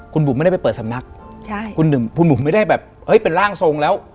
คุณบุ๋มไม่ได้ไปเปิดสำนักคุณบุ๋มไม่ได้แบบเป็นร่างทรงแล้ว